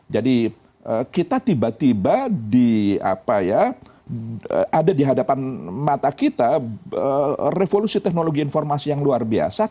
kita tiba tiba ada di hadapan mata kita revolusi teknologi informasi yang luar biasa